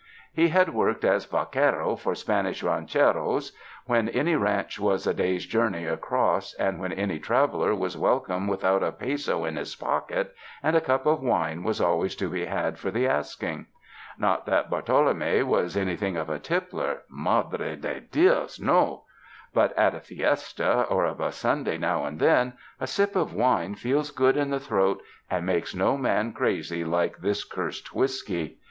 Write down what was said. He had worked as vaqiiero for Spanish rancher OS when any ranch was a day's journey across, and when any traveler was welcome without a peso in his pocket, and a cup of wine was always to be had for the asking; not that Bartolome was anything of a tippler — madre de Dios, no — but at a fiesta, or of a Sunday now and then, a sip of wine feels good in the throat, and makes no man crazy like this cursed whiskey.